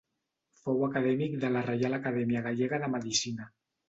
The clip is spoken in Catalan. Fou Acadèmic de la Reial Acadèmia Gallega de Medicina.